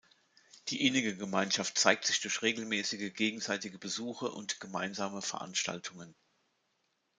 Die innige Gemeinschaft zeigt sich durch regelmäßige gegenseitige Besuche und gemeinsame Veranstaltungen.